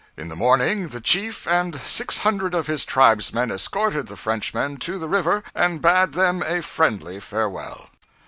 In the morning the chief and six hundred of his tribesmen escorted the Frenchmen to the river and bade them a friendly farewell.